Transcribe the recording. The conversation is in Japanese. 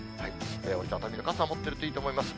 折り畳みの傘を持ってるといいと思います。